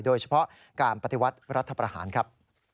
โดยเฉพาะการปฏิวัติรัฐประหารครับ